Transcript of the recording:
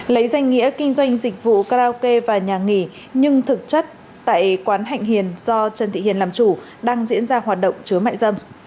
lấy danh nghĩa kinh doanh dịch vụ karaoke và nhà nghỉ nhưng thực chất tại quán hạnh hiền do trần thị hiền làm chủ đang diễn ra hoạt động chứa mại dâm